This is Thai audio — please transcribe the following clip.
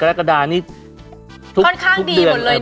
ค่อนข้างดีหมดเลยเนาะ